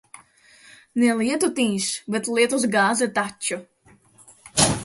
Ne lietutiņš, bet lietus gāze taču.